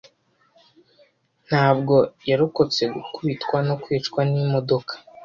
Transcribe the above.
Ntabwo yarokotse gukubitwa no kwicwa n'imodoka.